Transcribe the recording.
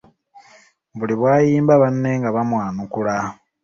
Buli bw'ayimba banne nga bamwanukula.